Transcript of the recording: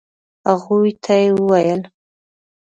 هغوی ته يې وويل.